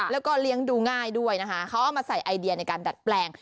แล้วก็เลี้ยงดูง่ายด้วยนะคะเขาเอามาใส่ไอเดียในการดัดแปลง